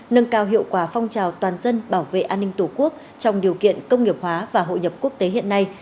nâng cao hiệu quả phong trào toàn dân bảo vệ an ninh tổ quốc trong điều kiện công nghiệp hóa và hội nhập quốc tế hiện nay